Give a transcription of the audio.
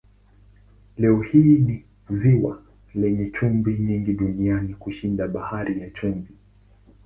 Leo hii ni ziwa lenye chumvi nyingi duniani kushinda Bahari ya Chumvi.